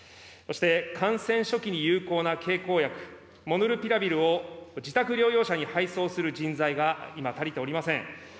そして感染初期に有効な経口薬、モルヌピラビルを自宅療養者に配送する人材が今、足りておりません。